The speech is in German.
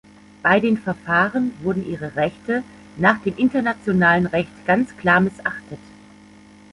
Bei den Verfahren wurden ihre Rechte nach dem internationalen Recht ganz klar missachtet.